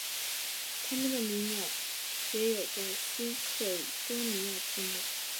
它们的迷鸟也有在新喀里多尼亚出没。